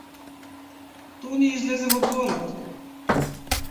Тони излезе во дворот.